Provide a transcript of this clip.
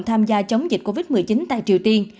tham gia chống dịch covid một mươi chín tại triều tiên